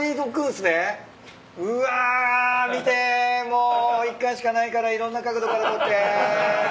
もう１貫しかないからいろんな角度から撮って。